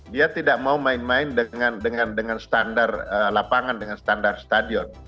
dia tidak mau main main dengan standar lapangan dengan standar stadion